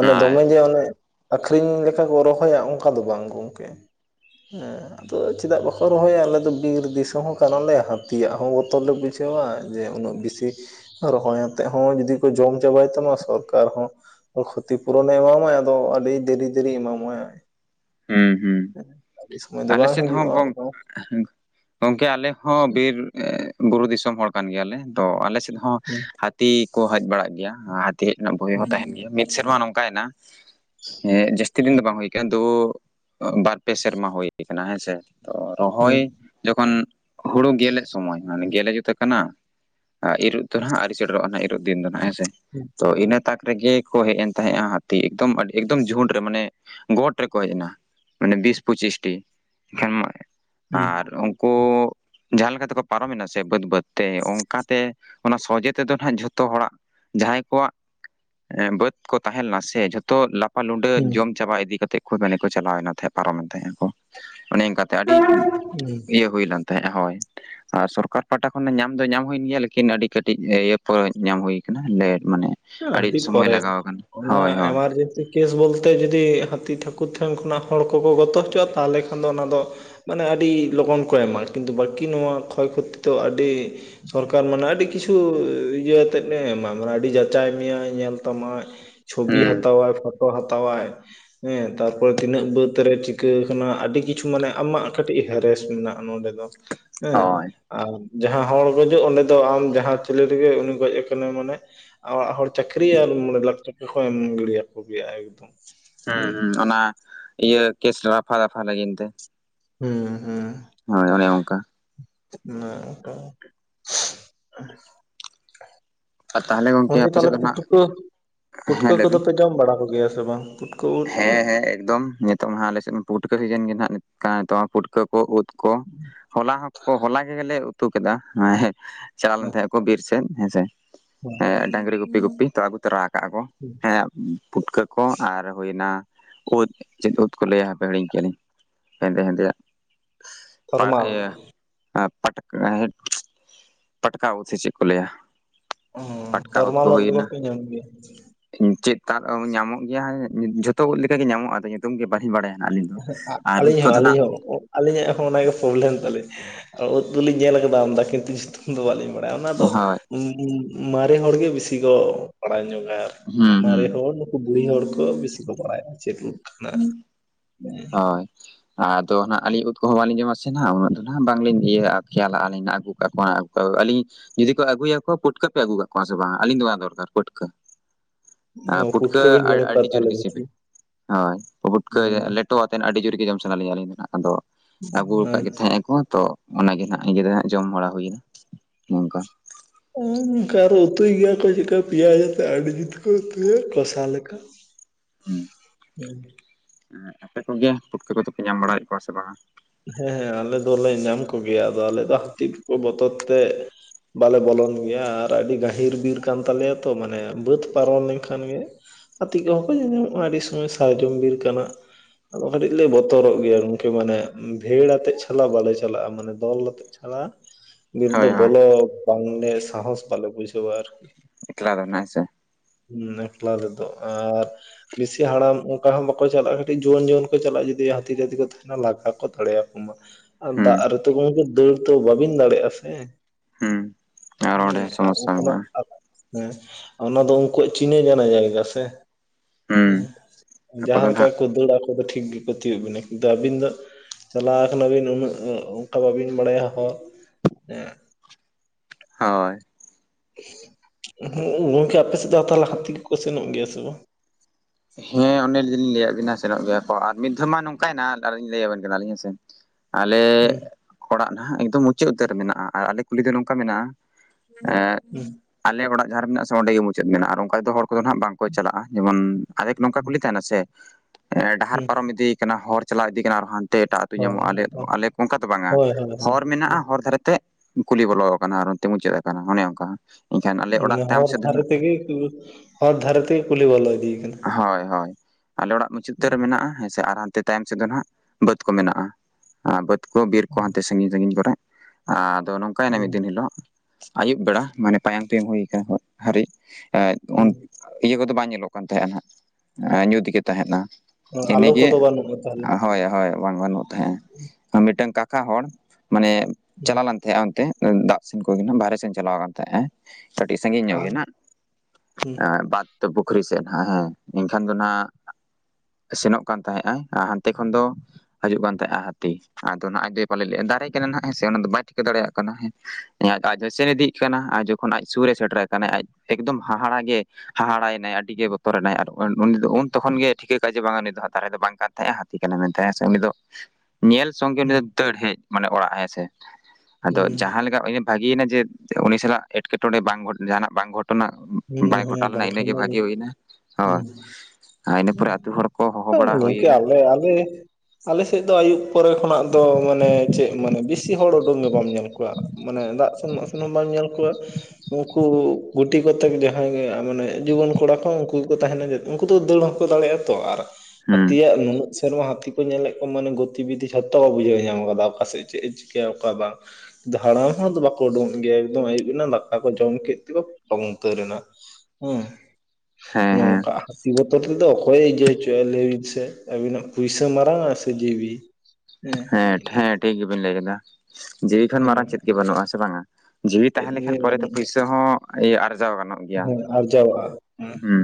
[SPEAKER 2] ᱚᱱᱮ
[SPEAKER 1] ᱦᱳᱭ
[SPEAKER 2] ᱫᱚᱢᱮ ᱡᱮ ᱚᱱᱮ ᱟᱠᱷᱨᱤᱧ ᱞᱮᱠᱟ ᱨᱚᱦᱚᱭᱟ ᱚᱜᱠᱟ ᱫᱚ ᱵᱟᱝ ᱜᱚᱢᱠᱮ, ᱦᱮᱸ ᱟᱫᱚ ᱪᱮᱫᱟᱜ ᱵᱟᱠᱚ ᱨᱚᱦᱚᱭᱟ ᱟᱞᱮ ᱫᱚ ᱵᱤᱨ ᱫᱤᱥᱚᱢ ᱦᱚᱸ ᱠᱟᱱᱟ ᱞᱮ ᱦᱟᱹᱛᱤᱭᱟᱜ ᱦᱚᱸ ᱵᱚ ᱵᱚᱛᱚᱨ ᱞᱮ ᱵᱩᱡᱷᱟᱹᱣᱟ ᱡᱮ ᱩᱱᱟᱹᱜ ᱵᱤᱥᱤ ᱨᱚᱦᱚᱭ ᱟᱛᱮᱫ ᱦᱚᱸ ᱡᱩᱫᱤ ᱠᱚ ᱡᱚᱢ ᱪᱟᱵᱟᱭ ᱛᱟᱢᱟ ᱥᱚᱨᱠᱟᱨ ᱦᱚᱸ ᱠᱷᱚᱛᱤ ᱯᱩᱨᱩᱨᱚᱱᱮ ᱮᱢᱟᱢᱟᱭ ᱟᱫᱚ ᱟᱹᱰᱤ ᱫᱮᱨᱤ ᱫᱮᱨᱤᱭ ᱮᱢᱟᱢᱟᱭ ᱾
[SPEAKER 1] ᱦᱩᱸ ᱦᱩᱸ
[SPEAKER 2] [unintelligible] ᱫᱚ
[SPEAKER 1] ᱟᱞᱮ
[SPEAKER 2] ᱵᱟᱝ
[SPEAKER 1] ᱥᱮᱫ ᱦᱚᱸ
[SPEAKER 2] ᱦᱤᱡᱩᱜᱼᱟ
[SPEAKER 1] ᱜᱚᱢ
[SPEAKER 2] ᱦᱩᱸ
[SPEAKER 1] ᱜᱚᱢᱠᱮ ᱟᱞᱮ ᱦᱚᱸ ᱵᱤᱨ ᱵᱩᱨᱩ ᱫᱤᱥᱚᱢ ᱦᱚᱲ ᱠᱟᱱ ᱜᱮᱭᱟᱞᱮ ᱛᱚ ᱟᱞᱮ ᱥᱮᱫ ᱦᱚᱸ
[SPEAKER 2] ᱦᱩᱸ
[SPEAKER 1] ᱦᱟᱹᱛᱤ ᱠᱚ ᱦᱮᱡ ᱵᱟᱲᱟᱜ ᱜᱮᱭᱟ ᱾ ᱛᱮᱫ ᱨᱮᱱᱟᱜ ᱵᱳᱭ ᱦᱚᱸ ᱛᱟᱦᱮᱱ ᱜᱮᱭᱟ ᱢᱤᱫ ᱥᱮᱨᱢᱟ ᱱᱚᱝᱠᱟᱭᱮᱱᱟ ᱦᱮᱸ ᱡᱟᱹᱥᱛᱤ ᱫᱤᱱ ᱫᱚ ᱵᱟᱝ ᱦᱳᱭ ᱠᱤᱱᱫᱩ ᱵᱟᱨ ᱯᱮ ᱥᱮᱨᱢᱟ ᱦᱩᱭᱩ ᱟᱠᱟᱱᱟ ᱦᱮᱸᱥᱮ
[SPEAKER 2] ᱦᱩᱸ
[SPEAKER 1] ᱨᱚᱦᱚᱭ ᱡᱚᱠᱷᱚᱱ ᱦᱩᱲᱩ ᱜᱮᱞᱮᱫ ᱥᱚᱢᱚᱭ ᱢᱟᱱᱮ ᱜᱮᱞᱮᱫ ᱡᱚᱛᱚ, ᱠᱟᱱᱟ ᱤᱨᱚᱜ ᱫᱚ ᱱᱟᱜ ᱟᱹᱣᱨᱤ ᱥᱮᱴᱮᱨᱚᱜᱼᱟ ᱦᱚᱸ ᱤᱨᱚᱜ ᱫᱤᱱ ᱫᱚ ᱱᱟᱜ ᱦᱮᱸᱥᱮ ᱛᱚ ᱤᱱᱟᱹ ᱛᱟᱠ ᱨᱮ ᱜᱮ ᱠᱚ ᱦᱮᱡ ᱮᱱ ᱛᱟᱦᱮᱸᱼᱟ ᱦᱟᱹᱛᱤ ᱮᱠᱫᱚᱢ ᱮᱠᱫᱚᱢ ᱡᱷᱩᱸᱴ ᱨᱮ ᱢᱟᱱᱮ ᱜᱚᱴ ᱨᱮ ᱠᱚ ᱦᱮᱡ ᱮᱱᱟ ᱾ ᱢᱟᱱᱮ ᱵᱤᱥ ᱯᱚᱪᱤᱥᱴᱤ [inaudible]
[SPEAKER 2] ᱦᱩᱸ
[SPEAKER 1] ᱟᱨ ᱩᱱᱠᱩ ᱡᱟᱦᱟᱸ ᱞᱮᱠᱟ ᱯᱟᱨᱚᱢᱮᱱᱟ ᱥᱮ ᱵᱟᱹᱫᱽ ᱵᱟᱹᱫᱽᱛᱮ ᱚᱝᱠᱟ ᱛᱮ ᱥᱚᱡᱷᱮ ᱛᱮ ᱫᱚ ᱱᱟᱜ ᱡᱷᱚᱛᱚ ᱦᱚᱲᱟᱜ, ᱡᱟᱦᱟᱸᱭ ᱠᱚᱣᱟᱜ ᱵᱟᱹᱫᱽ ᱠᱚ ᱛᱟᱦᱮᱸ ᱞᱮᱱᱟ ᱥᱮ ᱡᱷᱚᱛᱚ ᱞᱟ ᱞᱩᱸᱰᱟᱹ
[SPEAKER 2] ᱦᱩᱸ
[SPEAKER 1] ᱡᱚᱢ ᱪᱟᱵᱟ ᱤᱫᱤ ᱠᱟᱛᱮᱜ ᱢᱮᱱᱮ ᱠᱚ ᱪᱟᱞᱟᱣᱱᱟ ᱛᱟᱦᱮᱸ ᱠᱚ ᱯᱟᱨᱚᱢᱮᱱ ᱛᱟᱦᱮᱸᱜ ᱠᱚ ᱚᱱᱮ ᱚᱝᱠᱟ ᱾ ᱟᱹᱰᱤ
[SPEAKER 2] ᱦᱩᱸ
[SPEAKER 1] ᱤᱭᱟᱹ ᱦᱳᱭ ᱞᱮᱱ ᱛᱟᱦᱮᱸᱜ ᱦᱳᱭ, ᱟᱨ ᱥᱚᱨᱠᱟᱨ ᱯᱟᱦᱴᱟ ᱠᱷᱚᱱᱟᱜ ᱧᱟᱢ ᱫᱚ ᱧᱟᱢ ᱦᱩᱭᱮᱱ ᱜᱮᱭᱟ ᱞᱮᱠᱤᱱ ᱟᱹᱰᱤ ᱠᱟᱹᱴᱤᱡ ᱤᱭᱟᱹ ᱯᱚᱨᱮ ᱧᱟᱢ ᱦᱩᱭ ᱠᱟᱱᱟ ᱞᱮᱴ ᱢᱟᱱᱮ
[SPEAKER 2] ᱦᱮᱸ, ᱟᱹᱰᱤ
[SPEAKER 1] ᱥᱚᱢᱚᱭ
[SPEAKER 2] ᱯᱚᱨᱮ
[SPEAKER 1] ᱞᱟᱜᱟᱣ ᱟᱠᱟᱱᱟ
[SPEAKER 2] ᱚᱱᱟ
[SPEAKER 1] ᱦᱳᱭ ᱦᱳᱭ
[SPEAKER 2] ᱮᱢᱟᱨᱡᱮᱱᱥᱤ ᱠᱮᱥ ᱵᱚᱞᱛᱮ ᱡᱩᱫᱤ ᱦᱟᱹᱛᱤ ᱴᱷᱟᱹᱠᱩᱨ ᱴᱷᱮᱱ ᱠᱷᱚᱱᱟᱜ ᱦᱚᱲ ᱠᱚ ᱠᱚ ᱜᱚᱛᱚ ᱦᱚᱪᱚᱜᱣᱟᱜᱼᱟ ᱛᱟᱦᱚᱞᱮ ᱠᱷᱟᱱ ᱫᱚ ᱚᱱᱟ ᱫᱚ ᱢᱟᱱᱮ ᱟᱹᱰᱤ ᱞᱚᱜᱚᱱ ᱮᱢᱟ ᱠᱤᱱᱛᱩ ᱵᱟᱠᱤ ᱱᱚᱣᱟ ᱠᱷᱚᱭ ᱠᱷᱚᱛᱤ ᱫᱚ ᱟᱹᱰᱤ ᱥᱚᱨᱠᱟᱨ ᱢᱟᱱᱮ ᱟᱹᱰᱤ ᱠᱤᱪᱷᱩ ᱤᱭᱟᱹ ᱟᱛᱮᱫ ᱮ ᱮᱢᱟ ᱢᱟᱱᱮ ᱟᱹᱰᱤ ᱡᱟ ᱪᱟᱭ ᱢᱮᱭᱟᱭ ᱧᱮᱞ ᱛᱟᱢᱟᱭ ᱪᱷᱚᱵᱤ
[SPEAKER 1] ᱦᱩᱸ
[SPEAKER 2] ᱦᱟᱛᱟᱣᱟᱭ ᱯᱷᱳᱴᱳ ᱦᱟᱛᱟᱣᱟᱭ, ᱦᱮᱸ ᱛᱟᱨᱯᱚᱨᱮ ᱛᱤᱱᱟᱹᱜ ᱵᱟᱹᱫᱽ ᱨᱮ ᱪᱤᱠᱟᱹ ᱟᱠᱟᱱᱟ ᱟᱹᱰᱤ ᱠᱤᱪᱷᱩ ᱢᱟᱱᱮ ᱟᱢᱟᱜ ᱠᱟᱹᱴᱤᱡ ᱦᱮᱨᱮᱥ ᱢᱮᱱᱟᱜᱼᱟ ᱱᱚᱸᱰᱮ ᱫᱚ ᱾
[SPEAKER 1] [inaudible]
[SPEAKER 2] ᱦᱮᱸ ᱟᱨ ᱡᱟᱦᱟᱸ ᱦᱚᱲ ᱜᱚᱡᱚᱜ ᱚᱸᱰᱮ ᱫᱚ ᱟᱢ ᱡᱟᱦᱟᱸ ᱪᱤᱞᱤ ᱨᱮᱜᱮ ᱩᱱᱤ ᱜᱚᱡ ᱟᱠᱟᱱᱟᱭ ᱢᱟᱱᱮ ᱚᱲᱟᱜ ᱦᱚᱲ ᱪᱟᱠᱨᱤ ᱟᱨ ᱢᱟᱱᱮ ᱢᱚᱬᱮ ᱞᱟᱠ ᱴᱟᱠᱟ ᱠᱚ ᱮᱢ ᱜᱤᱲᱤᱭᱟᱠᱚ ᱜᱮᱭᱟ ᱮᱠᱫᱚᱢ ᱾
[SPEAKER 1] ᱦᱩᱸ ᱦᱩᱸ ᱚᱱᱟ ᱤᱭᱟᱹ ᱠᱮᱥ ᱨᱟᱯᱷᱟ-ᱫᱟᱯᱷᱟ ᱞᱟᱹᱜᱤᱫ ᱛᱮ᱾
[SPEAKER 2] ᱦᱩᱸ ᱦᱩᱸ᱾
[SPEAKER 1] ᱦᱳᱭ ᱚᱱᱮ ᱚᱱᱠᱟ᱾
[SPEAKER 2] ᱚᱱᱮ ᱢᱚᱴᱟᱢᱩᱴᱤ
[SPEAKER 1] ᱟᱨ ᱛᱟᱦᱚᱞᱮ ᱜᱚᱝᱠᱮ
[SPEAKER 2] ᱜᱚᱢᱠᱮ
[SPEAKER 1] ᱟᱯᱮ ᱥᱮᱫ
[SPEAKER 2] ᱛᱟᱦᱞᱮ
[SPEAKER 1] ᱫᱚ ᱱᱟᱜ
[SPEAKER 2] [unintelligible] ᱯᱩᱴᱠᱟᱹ
[SPEAKER 1] ᱦᱮᱸ ᱞᱟᱹᱭ
[SPEAKER 2] ᱠᱚᱫᱚ
[SPEAKER 1] ᱵᱤᱱ
[SPEAKER 2] ᱯᱮ ᱡᱚᱢ ᱵᱟᱲᱟ ᱠᱚᱜᱮᱭᱟ ᱥᱮ ᱵᱟᱝ? ᱯᱩᱴᱠᱟᱹ ᱩᱫ ᱠᱚ
[SPEAKER 1] ᱦᱮᱸ ᱦᱮᱸ ᱮᱠᱫᱚᱢ, ᱱᱤᱛᱚᱜ ᱢᱟ ᱦᱟᱸᱜ ᱟᱞᱮᱥᱮᱫ ᱯᱩᱴᱠᱟᱹ ᱥᱤᱡᱤᱱ ᱜᱮ ᱱᱟᱦᱟᱜ ᱱᱤᱛᱚ ᱯᱩᱴᱠᱟᱹ ᱠᱚ ᱳᱫᱽ ᱠᱚ, ᱦᱚᱞᱟ ᱦᱚᱸᱠᱚ ᱦᱚᱞᱟ ᱜᱮᱜᱮᱞᱮ ᱩᱛᱩ ᱠᱮᱫᱟ ᱦᱮ ᱦᱮᱸ ᱪᱟᱞᱟᱣ ᱞᱮᱱ
[SPEAKER 2] ᱦᱮᱸ
[SPEAKER 1] ᱛᱟᱦᱮᱸᱫ ᱟᱠᱚ ᱵᱤᱨ ᱥᱮᱫ ᱦᱮᱸᱥᱮ?
[SPEAKER 2] ᱦᱮᱸ
[SPEAKER 1] ᱮᱸᱜ ᱰᱟᱝᱨᱤ ᱜᱩᱯᱤ ᱜᱩᱯᱤ ᱛᱚ ᱟᱜᱩ ᱛᱚᱨᱟᱜ ᱠᱟᱜᱼᱟ ᱠᱚ ᱦᱮᱸ ᱯᱩᱴᱠᱟᱹ ᱠᱚ ᱟᱨ ᱦᱳᱭᱱᱟ ᱳᱫᱽ ᱪᱮᱫ ᱳᱫᱽ ᱠᱚ ᱞᱟᱹᱭᱟ ᱦᱟᱯᱮ ᱦᱤᱲᱤᱧ ᱠᱮᱜ-ᱟᱞᱤᱧ ᱦᱮᱸᱫᱮ ᱦᱮᱸᱫᱮᱭᱟᱜ᱾ ᱯᱟ
[SPEAKER 2] ᱛᱚᱨᱢᱟᱞ
[SPEAKER 1] ᱤᱭᱟᱹ ᱯᱟᱴ ᱦᱮᱸᱫ ᱯᱟᱴᱠᱟ ᱳᱫᱽ ᱥᱮ ᱪᱮᱫ ᱠᱚ ᱞᱟᱹᱭᱟ?
[SPEAKER 2] ᱚᱸ
[SPEAKER 1] ᱯᱟᱴᱠᱟ ᱩᱫ
[SPEAKER 2] ᱛᱚᱨᱚᱢᱟᱞ
[SPEAKER 1] ᱠᱚ
[SPEAKER 2] ᱳᱫᱽ ᱫᱚ
[SPEAKER 1] ᱦᱩᱭᱱᱟ
[SPEAKER 2] ᱵᱟᱯᱮ ᱧᱟᱢ ᱜᱮᱭᱟ?
[SPEAKER 1] ᱪᱮᱫ ᱛᱟᱨ ᱧᱟᱢᱚᱜ ᱜᱮᱭᱟ, ᱡᱷᱚᱛᱚ ᱳᱫᱽ ᱞᱮᱠᱟ ᱜᱮ ᱧᱟᱢᱚᱜ ᱜᱮᱭᱟ ᱟᱫᱚ ᱧᱩᱛᱩᱢ ᱜᱮ ᱵᱟᱹᱧ ᱵᱟᱲᱟᱭᱟ᱾ ᱟᱹᱞᱤᱧ ᱫᱚ
[SPEAKER 2] ᱦᱮᱸᱜ ᱟ-
[SPEAKER 1] ᱟᱨ ᱩᱫ
[SPEAKER 2] ᱟᱞᱤᱧ ᱦᱚᱸ
[SPEAKER 1] ᱠᱚᱫᱚ ᱱᱟᱜ
[SPEAKER 2] ᱟᱞᱤᱧ ᱦᱚᱸ᱾ ᱟᱹᱞᱤᱧᱟᱜ ᱦᱚᱸ ᱚᱱᱟᱜᱮ ᱯᱨᱚᱵᱞᱮᱢ ᱛᱟᱞᱤᱧ, ᱳᱫᱽ ᱫᱚᱞᱤᱧ ᱧᱮᱞ ᱠᱟᱫᱟ ᱟᱢᱫᱟ ᱠᱤᱱᱛᱩ ᱧᱩᱛᱩᱢ ᱫᱚ ᱵᱟᱞᱤᱧ ᱵᱟᱲᱟᱭᱟ ᱚᱱᱟ ᱫᱚ
[SPEAKER 1] ᱦᱳᱭ
[SPEAKER 2] ᱢᱟᱨᱮ ᱦᱚᱲ ᱜᱮ ᱵᱤᱥᱤ ᱠᱚ ᱵᱟᱲᱟᱭ ᱧᱚᱸᱜᱟ᱾ ᱢᱟᱨᱮ
[SPEAKER 1] ᱦᱩᱸ
[SPEAKER 2] ᱦᱚᱲ ᱱᱩᱠᱩ ᱵᱩᱲᱦᱤ ᱦᱚᱲ ᱠᱚ ᱵᱮᱥᱤ
[SPEAKER 1] ᱦᱩᱸ
[SPEAKER 2] ᱠᱚ ᱵᱟᱲᱟᱭᱟ ᱪᱮᱫ ᱳᱫᱽ ᱠᱟᱱᱟ ᱦᱮᱸ᱾
[SPEAKER 1] ᱦᱚᱭ ᱾ ᱟᱫᱚ ᱱᱟᱦᱟᱸᱜ ᱟᱹᱞᱤᱧ ᱩᱫᱽ ᱠᱚᱦᱚᱸ ᱵᱟᱹᱞᱤᱧ ᱡᱚᱢᱟ ᱥᱮ ᱱᱟᱦᱟᱸᱜ ᱩᱱᱟᱹᱜ ᱫᱚ ᱱᱟᱦᱟᱸᱜ ᱵᱟᱝᱞᱤᱧ ᱤᱭᱟᱹᱟᱜᱼᱟ ᱠᱷᱮᱭᱟᱞᱟᱜᱼᱟᱞᱤᱧ ᱟᱜᱩ ᱠᱟᱜ ᱟᱠᱚ ᱟᱹᱞᱤᱧ ᱡᱩᱫᱤ ᱠᱚ ᱟᱹᱜᱩᱭᱟᱠᱚ ᱯᱩᱴᱠᱟᱹ ᱯᱮ ᱟᱹᱜᱩ ᱠᱟᱫᱱᱠᱚᱣᱟ ᱥᱮ ᱵᱟᱝ ᱟᱹᱞᱤᱧ ᱫᱚ ᱵᱟᱝ ᱫᱚᱨᱠᱟᱨ ᱯᱩᱴᱠᱟᱹ᱾ ᱟᱸ
[SPEAKER 2] ᱚ
[SPEAKER 1] ᱯᱩᱴᱠᱟᱹ
[SPEAKER 2] ᱵᱮᱱ ᱡᱚᱢ ᱠᱚᱣᱟ
[SPEAKER 1] ᱟ-ᱟᱹᱰᱤ ᱡᱳᱨ
[SPEAKER 2] ᱛᱟᱦᱚᱞᱮ
[SPEAKER 1] ᱜᱮ
[SPEAKER 2] ᱵᱮᱥᱤ
[SPEAKER 1] ᱥᱤᱵᱤᱞᱟ ᱦᱳᱭ ᱯᱩᱴᱠᱟᱹ ᱜᱮ
[SPEAKER 2] ᱚ
[SPEAKER 1] ᱞᱮ ᱴᱚ ᱟᱛᱮᱫ ᱟᱹᱰᱤ ᱡᱳᱨᱜᱮ ᱡᱚᱢ ᱥᱟᱱᱟᱞᱤᱧᱟ ᱟᱹᱞᱤᱧ ᱫᱚ ᱦᱟᱸᱜ ᱟᱫᱚ ᱟᱹᱜᱩ ᱠᱟᱫ ᱜᱮ
[SPEAKER 2] ᱟᱪᱪᱷᱟ
[SPEAKER 1] ᱛᱟᱦᱮᱸ ᱟᱠ ᱠᱚ ᱛᱚ ᱚᱱᱟᱜᱮ ᱦᱟᱸᱜ ᱱᱤᱡᱮ ᱫᱚ ᱦᱟᱸᱜ ᱡᱚᱢ ᱵᱟᱲᱟ ᱦᱩᱭᱱᱟ ᱱᱚᱝᱠᱟ᱾
[SPEAKER 2] ᱚᱱᱠᱟ ᱟᱨᱚ ᱩᱛᱩᱭ ᱜᱮᱭᱟ ᱠᱚ ᱪᱮᱫᱠᱟ ᱯᱮᱸᱭᱟᱡᱟᱛᱮ ᱟᱹᱰᱤ ᱡᱩᱫ ᱠᱚ ᱩᱛᱩᱭᱟ ᱠᱚᱥᱟ ᱞᱮᱠᱟ
[SPEAKER 1] [inaudible] ᱦᱩᱸ
[SPEAKER 2] ᱦᱮᱸ
[SPEAKER 1] ᱟᱨ ᱟᱯᱮ ᱠᱚᱜᱮ ᱯᱩᱴᱠᱟᱹ ᱠᱚᱫᱚ ᱯᱮ ᱧᱟᱢ ᱵᱟᱲᱟᱭᱮᱫ ᱠᱚᱣᱟ ᱥᱮ ᱵᱟᱝᱼᱟ?
[SPEAKER 2] ᱦᱮᱸ ᱦᱮᱸ ᱟᱞᱮ ᱫᱚᱞᱮ ᱧᱟᱢ ᱠᱚᱜᱮᱭᱟ ᱟᱫᱚ ᱟᱞᱮ ᱫᱚ ᱦᱟᱹᱛᱤ ᱠᱚ ᱵᱚᱛᱚᱨ ᱛᱮ ᱵᱟᱞᱮ ᱵᱚᱞᱚᱱ ᱜᱮᱭᱟ ᱟᱨ ᱟᱰᱤ ᱜᱟᱹᱦᱤᱨ ᱵᱤᱨ ᱠᱟᱱ ᱛᱟᱞᱮᱭᱟ ᱛᱚ ᱢᱟᱱᱮ ᱵᱟᱹᱫᱽ ᱯᱟᱨᱚᱢ ᱞᱮᱱᱠᱷᱟᱱ ᱜᱮ ᱦᱟᱹᱛᱤ ᱠᱚᱦᱚᱸ ᱠᱚ ᱧᱮᱞ-ᱧᱟᱢᱚᱜᱼᱟ ᱟᱹᱰᱤ ᱥᱚᱢᱚᱭ, ᱥᱟᱨᱡᱚᱢ ᱵᱤᱨ ᱠᱟᱱᱟ ᱟᱫᱚ ᱠᱟᱹᱴᱤᱡ ᱞᱮ ᱵᱚᱛᱚᱨᱚᱜ ᱜᱮᱭᱟ ᱱᱤᱝᱠᱮ ᱢᱟᱱᱮ ᱵᱷᱮᱲ ᱟᱛᱮᱜ ᱪᱷᱟᱲᱟ ᱵᱟᱞᱮ ᱪᱟᱞᱟᱜᱼᱟ ᱢᱟᱱᱮ ᱫᱚᱞ ᱟᱛᱮᱜ ᱪᱷᱟᱲᱟ ᱵᱤᱨ ᱫᱚ
[SPEAKER 1] ᱦᱳᱭ ᱦᱳᱭ
[SPEAKER 2] ᱵᱚᱞᱚ ᱵᱟᱝᱞᱮ ᱥᱟᱸᱦᱚᱥ ᱵᱟᱞᱮ ᱵᱩᱡᱷᱟᱹᱣᱟ ᱟᱨᱠᱤ ᱾
[SPEAKER 1] ᱮᱠᱞᱟ ᱫᱚ ᱱᱟᱜ ᱦᱮᱸᱥᱮ?
[SPEAKER 2] ᱦᱩᱸ ᱮᱠᱞᱟ ᱨᱮᱫᱚ ᱟᱨ ᱵᱮᱥᱤ ᱦᱟᱲᱟᱢ ᱚᱱᱠᱟ ᱦᱚᱸ ᱵᱟᱠᱚ ᱪᱟᱞᱟᱜᱼᱟ, ᱠᱟᱹᱴᱤᱡ ᱡᱩᱣᱟᱹᱱ ᱡᱩᱣᱟᱱ ᱠᱚ ᱪᱟᱞᱟᱜᱼᱟ ᱡᱩᱫᱤ ᱦᱟᱹᱛᱤ ᱜᱮ ᱫᱤ ᱠᱚ ᱛᱟᱦᱮᱱᱟ ᱞᱟᱜᱟ ᱠᱚ ᱫᱟᱲᱮᱭᱟᱠᱚ ᱢᱟ ᱾ ᱟᱨ
[SPEAKER 1] ᱦᱩᱸ
[SPEAKER 2] ᱫᱟᱜ ᱨᱮᱛᱚ ᱜᱚᱢᱠᱮ ᱫᱟᱹᱲ ᱛᱚ ᱵᱟᱵᱤᱱ ᱫᱟᱲᱮᱭᱟᱜᱼᱟ ᱥᱮ ᱦᱮᱸ
[SPEAKER 1] ᱦᱩᱸ ᱟᱨ ᱚᱸᱰᱮ ᱦᱚᱸ
[SPEAKER 2] ᱟᱨ
[SPEAKER 1] ᱥᱚᱢᱚᱥᱥᱟ
[SPEAKER 2] ᱩ-ᱩᱱᱟ.
[SPEAKER 1] ᱢᱮᱱᱟᱜᱼᱟ
[SPEAKER 2] ᱜ ᱦᱮᱸ ᱚᱱᱟ ᱫᱚ ᱩᱱᱠᱩᱣᱟᱜ ᱪᱤᱱᱟᱹ ᱡᱟᱱᱟ ᱡᱟᱭᱜᱟ ᱥᱮ᱾
[SPEAKER 1] ᱦᱩᱸ
[SPEAKER 2] ᱦᱮᱸ
[SPEAKER 1] ᱟᱠᱚ ᱫᱚ
[SPEAKER 2] ᱡᱟᱦᱟᱸ ᱞᱮᱠᱟ
[SPEAKER 1] ᱱᱟᱦᱟᱜ
[SPEAKER 2] ᱜᱮᱠᱚ ᱫᱟᱹᱲᱟ ᱟᱠᱚ ᱫᱚ ᱴᱷᱤᱠ ᱜᱮᱠᱚ ᱛᱤᱭᱳᱜ ᱵᱤᱱᱟ ᱠᱤᱱᱛᱩ ᱟᱹᱵᱤᱱ ᱫᱚ ᱪᱟᱞᱟᱣ ᱟᱠᱟᱱᱟᱵᱤᱱ ᱩᱱᱟᱹᱜ ᱚᱱᱠᱟ ᱵᱟᱵᱤᱱ ᱵᱟᱲᱟᱭᱟ ᱦᱚᱨ ᱮᱸ
[SPEAKER 1] ᱦᱳᱭ ᱾
[SPEAKER 2] [inaudible] ᱦᱩᱸᱜ-ᱩ ᱜᱚᱝᱠᱮ ᱟᱯᱮ ᱥᱮᱫ ᱫᱚ ᱛᱟᱦᱚᱞᱮ ᱦᱟᱹᱛᱤ ᱠᱚ ᱠᱚ ᱥᱮᱱᱚᱜ ᱜᱮᱭᱟ ᱥᱮ ᱵᱟᱝ?
[SPEAKER 1] ᱦᱮᱸ ᱚᱱᱮ ᱞᱤᱧ ᱞᱟᱹᱭᱟᱫ ᱵᱮᱱᱟ ᱥᱮᱱᱚᱜ ᱜᱮᱭᱟ ᱠᱚ ᱟᱨ ᱢᱤᱫ ᱫᱷᱟᱣ ᱢᱟ ᱱᱚᱝᱠᱟᱭᱮᱱᱟ ᱟᱨ ᱞᱤᱧ ᱞᱟᱹᱭᱟᱵᱮᱱ ᱠᱟᱱᱟ ᱞᱤᱧ ᱦᱮᱸ ᱥᱮ ᱾ ᱟᱞᱮ
[SPEAKER 2] ᱦᱩᱸ
[SPEAKER 1] ᱚᱲᱟᱜ ᱱᱟᱦᱟᱜ ᱮᱠᱫᱚᱢ ᱢᱩᱪᱟᱹᱫ ᱩᱛᱟᱹᱨ ᱨᱮ ᱢᱮᱱᱟᱜ-ᱟ ᱟᱨ ᱟᱞᱮ ᱠᱩᱞᱦᱤ ᱫᱚ ᱱᱚᱝᱠᱟ ᱢᱮᱱᱟᱜ-ᱟ [inaudible] ᱮ
[SPEAKER 2] ᱦᱩᱸ ᱾
[SPEAKER 1] ᱟᱞᱮ ᱚᱲᱟᱜ ᱡᱟᱦᱟᱸ ᱨᱮ ᱢᱮᱱᱟᱜ-ᱟ ᱥᱮ ᱚᱸᱰᱮ ᱜᱮ ᱢᱩᱪᱟᱹᱫ ᱢᱮᱱᱟᱜ-ᱟ ᱟᱨ ᱚᱱᱠᱟ ᱛᱮᱫᱚ ᱦᱚᱲ ᱠᱚᱫᱚ ᱱᱟᱜ ᱵᱟᱝᱠᱚ ᱪᱟᱞᱟᱜ-ᱟ ᱾ ᱡᱮᱢᱚᱱ ᱟᱫᱷᱮᱠ ᱱᱚᱝᱠᱟ ᱠᱩᱞᱤ ᱛᱟᱦᱮᱱᱟ ᱥᱮ [inaudible] ᱰᱟᱦᱟᱨ
[SPEAKER 2] ᱦᱩᱸ ᱦᱩᱸ
[SPEAKER 1] ᱯᱟᱨᱚᱢ ᱤᱫᱤ ᱠᱟᱱᱟ ᱦᱚᱨ ᱪᱟᱞᱟᱣ ᱤᱫᱤ ᱠᱟᱱᱟ ᱟᱨ ᱦᱟᱱ ᱛᱮ ᱮᱴᱟᱜ ᱟᱹᱛᱩ
[SPEAKER 2] ᱦᱳᱭ
[SPEAKER 1] ᱧᱟᱢᱚᱜ-ᱟ ᱟᱞᱮ
[SPEAKER 2] ᱦᱳᱭ
[SPEAKER 1] ᱟᱞᱮ ᱚᱱᱠᱟ ᱫᱚ ᱵᱟᱝᱟ
[SPEAKER 2] ᱦᱳᱭ ᱦᱳᱭ ᱦᱳᱭ
[SPEAKER 1] ᱦᱚᱨ ᱢᱮᱱᱟᱜ-ᱟ ᱦᱚᱨ ᱫᱷᱟᱨᱮ ᱛᱮ ᱠᱩᱞᱦᱤ ᱵᱚᱞᱚ ᱟᱠᱟᱱᱟ ᱟᱨ ᱚᱱᱛᱮ ᱢᱩᱪᱟᱹᱫ ᱟᱠᱟᱱᱟ ᱚᱱᱮ ᱚᱱᱠᱟ ᱾
[SPEAKER 2] ᱢᱟᱱᱮ ᱦᱚᱨ ᱫᱷᱟᱨᱮ ᱛᱮᱜᱮ ᱦᱚᱨ ᱫᱷᱟᱨᱮ ᱛᱮᱜᱮ ᱠᱩᱞᱦᱤ ᱵᱚᱞᱚ ᱤᱫᱤ ᱟᱠᱟᱱᱟ ᱾
[SPEAKER 1] ᱦᱳᱭ ᱦᱳᱭ ᱟᱞᱮ ᱚᱲᱟᱜ ᱢᱩᱪᱟᱹᱫ ᱩᱛᱟᱹᱨᱮ ᱢᱮᱱᱟᱜ-ᱟ ᱦᱮᱸ ᱥᱮ ᱟᱨ ᱦᱟᱱᱛᱮ ᱛᱟᱭᱚᱢ ᱥᱮᱫ ᱫᱚ ᱦᱟᱸᱜ ᱵᱟᱹᱫᱽ ᱠᱚ ᱢᱮᱱᱟᱜ-ᱟ ᱾ ᱵᱟᱹᱫ ᱠᱚ ᱵᱤᱨ ᱠᱚ ᱦᱟᱱᱛᱮ ᱥᱟᱺᱜᱤᱧ ᱥᱟᱺᱜᱤᱧ ᱠᱚᱨᱮ ᱟᱫᱚ ᱱᱚᱝᱠᱟᱭᱮᱱᱟ
[SPEAKER 2] ᱦᱩᱸ
[SPEAKER 1] ᱢᱤᱫ ᱫᱤᱱ ᱦᱤᱞᱳᱜ ᱟᱹᱭᱩᱵ ᱵᱮᱲᱟ ᱢᱟᱱᱮ ᱯᱟᱭᱟᱢ ᱯᱤᱭᱟᱹᱢ ᱦᱩᱭ ᱟᱠᱟᱱ ᱦᱟᱹᱨᱤᱡ
[SPEAKER 2] ᱦᱩᱸ ᱾
[SPEAKER 1] ᱤᱭᱟᱹ ᱠᱚᱫᱚ ᱵᱟᱝ ᱧᱮᱞᱚᱜ ᱠᱟᱱ ᱛᱟᱦᱮᱸᱜ ᱟ ᱱᱟᱜ [inaudible] ᱧᱩᱛ ᱜᱮ ᱛᱟᱦᱮᱱᱟ
[SPEAKER 2] ᱦᱩᱸ
[SPEAKER 1] ᱾ ᱮᱱᱮ
[SPEAKER 2] ᱟᱞᱚ
[SPEAKER 1] ᱜᱮ
[SPEAKER 2] ᱠᱚᱫᱚ ᱵᱟᱹᱱᱩᱜᱼᱟ ᱛᱟᱦᱚᱞᱮ
[SPEAKER 1] [inaudible] ᱦᱚᱭ ᱦᱚᱭ ᱾ ᱵᱟᱝ ᱜᱟᱱᱟᱜ ᱛᱟᱦᱮᱜ-ᱟ ᱢᱤᱫᱴᱟᱝ ᱠᱟᱠᱟ ᱦᱚᱲ ᱢᱟᱱᱮ
[SPEAKER 2] ᱦᱩᱸ
[SPEAKER 1] ᱪᱟᱞᱟᱣ ᱞᱮᱱ ᱛᱮ ᱦᱟᱸᱜ ᱚᱱᱛᱮ ᱫᱟᱜ ᱥᱮᱱ ᱠᱚ ᱚᱱᱮ ᱵᱟᱦᱨᱮ ᱥᱮᱱ ᱪᱟᱞᱟᱣ ᱠᱟᱱ ᱛᱟᱦᱮᱸᱜ-ᱟᱭ ᱠᱟᱹᱴᱤᱡ ᱥᱟᱺᱜᱤᱧ ᱧᱚᱜ
[SPEAKER 2] ᱟᱨ
[SPEAKER 1] ᱜᱮ ᱱᱟᱜ
[SPEAKER 2] ᱦᱩᱸ
[SPEAKER 1] [inaudible] ᱵᱟᱸᱫ ᱛᱚ ᱯᱩᱠᱷᱨᱤ ᱛᱮ ᱦᱟᱜ ᱦᱮᱸ ᱮᱱᱠᱷᱟᱱ ᱫᱚ ᱱᱟᱜ [inaudible] ᱥᱮᱱᱚᱜ ᱠᱟᱱ ᱛᱟᱦᱮᱸᱫᱟᱭ ᱟᱨ ᱦᱟᱱᱛᱮ ᱠᱷᱚᱱ ᱫᱚ ᱦᱟᱹᱡᱩᱜ ᱠᱟᱱ ᱛᱟᱦᱮᱸᱜ-ᱟᱭ ᱦᱟᱹᱛᱤ ᱾ ᱟᱫᱚ ᱱᱟᱜ ᱟᱡ ᱫᱚᱭ ᱯᱟᱞᱮ ᱞᱟᱹᱭᱮᱫ-ᱟᱭ ᱫᱟᱨᱮ ᱠᱟᱱᱟ ᱱᱟᱜ ᱦᱮᱸ ᱥᱮ ᱚᱱᱟ ᱫᱚ ᱵᱟᱭ ᱴᱷᱤᱠᱟᱹ ᱫᱟᱲᱮᱭᱟᱜ ᱠᱟᱱᱟ ᱦᱮᱸ ᱟᱡ ᱫᱚ ᱥᱮᱱ ᱤᱫᱤᱜ ᱠᱟᱱᱟ ᱟᱨ ᱡᱚᱠᱷᱚᱱ ᱟᱡ ᱥᱩᱨᱮ ᱥᱮᱴᱮᱨ ᱟᱠᱟᱱᱟᱭ ᱟᱡ ᱮᱠᱫᱚᱢ ᱦᱟᱦᱟᱲᱟ ᱜᱮ ᱦᱟᱦᱟᱲᱟᱭᱮᱱᱟᱭ ᱟᱹᱰᱤ ᱜᱮ ᱵᱚᱛᱚᱨᱮᱱᱟᱭ ᱟᱨ ᱩᱱᱤ ᱫᱚ ᱩᱱ ᱛᱚᱠᱷᱚᱱ ᱜᱮ ᱴᱷᱤᱠᱟᱹ ᱠᱟᱜ-ᱟ ᱡᱮ ᱵᱟᱝ ᱩᱱᱤ ᱫᱚ ᱦᱟᱜ ᱫᱟᱨᱮ ᱫᱚ ᱵᱟᱝ ᱠᱟᱱ ᱛᱟᱦᱮᱸᱜ-ᱟ ᱦᱟᱹᱛᱤ ᱠᱟᱱᱟᱭ ᱢᱮᱱᱛᱮ ᱦᱮᱸ ᱥᱮ ᱩᱱᱤ ᱫᱚ ᱧᱮᱞ ᱥᱚᱝᱜᱮ ᱩᱱᱤ
[SPEAKER 2] ᱦᱩᱸ
[SPEAKER 1] ᱫᱚ ᱫᱟᱹᱲ ᱦᱮᱡ ᱢᱟᱱᱮ ᱚᱲᱟᱜ ᱦᱮᱸᱥᱮ [inaudible] ᱟᱫᱚ
[SPEAKER 2] ᱦᱩᱸ
[SPEAKER 1] ᱡᱟᱦᱟᱸ ᱞᱮᱠᱟ ᱵᱷᱟᱜᱤᱭᱮᱱᱟ ᱡᱮ ᱩᱱᱤ ᱥᱟᱞᱟᱜ ᱮᱴᱠᱮᱴᱚᱬᱮ ᱵᱟᱝ ᱡᱟᱦᱱᱟᱜ ᱵᱟᱝ ᱜᱷᱚᱴᱚᱱᱟ
[SPEAKER 2] ᱦᱩᱸ
[SPEAKER 1] ᱵᱟᱭ ᱜᱷᱚᱴᱟᱣ
[SPEAKER 2] ᱦᱮᱸ
[SPEAKER 1] ᱞᱮᱱᱟ
[SPEAKER 2] ᱵᱟᱝᱠᱷᱟᱱ
[SPEAKER 1] ᱤᱱᱟᱹᱜᱮ
[SPEAKER 2] ᱫᱚ
[SPEAKER 1] ᱵᱷᱟ ᱜᱮ ᱦᱩᱭᱮᱱᱟ ᱦᱳᱭ
[SPEAKER 2] ᱦᱩᱸ
[SPEAKER 1] [inaudible] ᱟᱨ ᱤᱱᱟᱹ ᱯᱚᱨᱮ ᱟᱛᱩ ᱦᱚᱲ ᱠᱚ ᱦᱚᱦᱚ ᱵᱟᱲᱟ ᱦᱩᱭᱮᱱᱟ ᱾
[SPEAKER 2] ᱦᱮ ᱟᱞᱮ ᱟᱞᱮ ᱥᱮᱫ ᱫᱚ ᱟᱹᱭᱩᱵ ᱯᱚᱨᱮ ᱠᱷᱚᱱᱟᱜ ᱫᱚ ᱢᱟᱱᱮ ᱪᱮᱫ ᱢᱟᱱᱮ ᱵᱮᱥᱤ ᱦᱚᱲ ᱩᱰᱩᱝ ᱜᱮ ᱵᱟᱢ ᱧᱮᱞ ᱠᱚᱣᱟ ᱾ ᱢᱟᱱᱮ ᱫᱟᱜ ᱥᱮᱱ ᱥᱮᱱᱚᱜ ᱦᱚᱸ ᱵᱟᱢ ᱧᱮᱞ ᱠᱚᱣᱟ ᱩᱱᱠᱩ ᱛᱮ ᱡᱟᱦᱟᱸᱭ ᱜᱮ ᱢᱟᱱᱮ ᱡᱩᱣᱟᱹᱱ ᱠᱚᱲᱟ ᱠᱚ ᱩᱱᱠᱩ ᱜᱮᱠᱚ ᱛᱟᱦᱮᱱᱟ ᱩᱱᱠᱩ ᱫᱚ ᱫᱟᱹᱲ ᱦᱚᱸᱠᱚ ᱫᱟᱲᱮᱭᱟᱜ-ᱟ ᱛᱚ ᱟᱨ
[SPEAKER 1] ᱦᱩᱸ
[SPEAKER 2] ᱦᱟᱹᱛᱤᱭᱟᱜ ᱱᱩᱱᱟᱹᱜ ᱥᱮᱨᱢᱟ ᱦᱟᱹᱛᱤ ᱧᱮᱞᱮᱫ ᱠᱚᱣᱟ ᱢᱟᱱᱮ ᱜᱚᱛᱤ ᱵᱤᱫᱷᱤ ᱡᱷᱚᱛᱚ ᱠᱚ ᱵᱩᱡᱷᱟᱹᱣ ᱧᱟᱢ ᱠᱟᱫᱟ ᱚᱠᱟᱥᱮᱫ ᱪᱮᱫ ᱮ ᱪᱤᱠᱟᱹᱭᱟ ᱚᱠᱟ ᱵᱟᱝ ᱾ ᱦᱟᱲᱟᱢ ᱦᱚᱲ ᱫᱚ ᱵᱟᱠᱚ ᱩᱰᱩᱝᱚᱜ ᱜᱮᱭᱟ ᱮᱠᱫᱚᱢ ᱟᱹᱭᱩᱵ ᱵᱮᱞᱟ ᱫᱟᱠᱟ ᱠᱚ ᱡᱚᱢ ᱠᱮᱫ ᱛᱮᱠᱚ ᱠᱚᱢ ᱩᱛᱟᱹᱨ ᱮᱱᱟ ᱦᱮᱸ [inaudible]
[SPEAKER 1] ᱦᱮᱸ ᱦᱮᱸ
[SPEAKER 2] ᱱᱚᱝᱠᱟ ᱾ ᱵᱚᱛᱚᱨ ᱛᱮᱫᱚ ᱚᱠᱚᱭᱮ ᱤᱭᱟᱹ ᱦᱚᱪᱚᱜ-ᱟ ᱞᱟᱹᱭ ᱵᱤᱱ ᱥᱮ ᱟᱵᱤᱱᱟᱜ ᱯᱩᱭᱥᱟᱹ ᱢᱟᱨᱟᱝᱟ ᱥᱮ ᱡᱤᱣᱤ ᱾
[SPEAKER 1] ᱦᱮᱸ ᱦᱮᱸ ᱴᱷᱤᱠ ᱜᱮᱵᱤᱱ ᱞᱟᱹᱭ ᱠᱮᱫᱟ ᱡᱤᱣᱤ ᱠᱷᱚᱱ ᱢᱟᱨᱟᱝ
[SPEAKER 2] ᱦᱮᱸ
[SPEAKER 1] ᱪᱮᱫ ᱜᱮ ᱵᱟᱹᱱᱩᱜ-ᱟ ᱥᱮ ᱵᱟᱝᱟ ᱾ ᱡᱤᱣᱤ ᱛᱟᱦᱮ
[SPEAKER 2] ᱪᱮᱫ ᱜᱮ
[SPEAKER 1] ᱞᱮᱠᱷᱟᱱ ᱯᱚᱨᱮ ᱛᱮ ᱯᱩᱭᱥᱟᱹ ᱦᱚᱸ ᱤᱭᱟᱹ ᱟᱨᱡᱟᱣ ᱜᱟᱱᱚᱜ ᱜᱮᱭᱟ
[SPEAKER 2] ᱦᱳᱭ ᱟᱨᱡᱟᱣᱚᱜ-ᱟ ᱦᱮᱸ ᱾
[SPEAKER 1] ᱦᱩᱸ